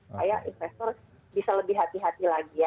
supaya investor bisa lebih hati hati lagi ya